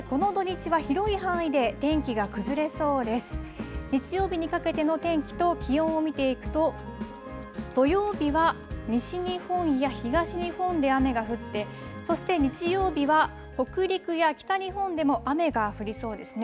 日曜日にかけての天気と気温を見ていくと土曜日は西日本や東日本で雨が降ってそして日曜日は北陸や北日本でも雨が降りそうですね。